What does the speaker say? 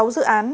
sáu dự án